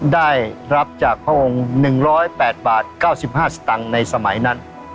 ได้รับจากพระองค์๑๐๘บาท๙๕สตางค์ในสมัยนั้น